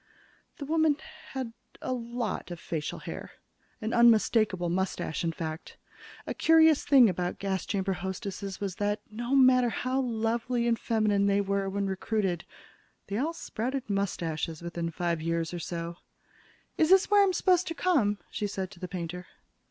The woman had a lot of facial hair an unmistakable mustache, in fact. A curious thing about gas chamber hostesses was that, no matter how lovely and feminine they were when recruited, they all sprouted mustaches within five years or so. "Is this where I'm supposed to come?" she said to the painter.